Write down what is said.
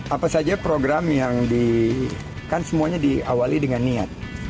apa saja program yang di kan semuanya diawali dengan niat